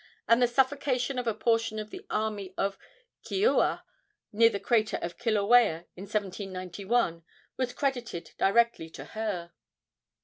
and the suffocation of a portion of the army of Keoua, near the crater of Kilauea, in 1791, was credited directly to her.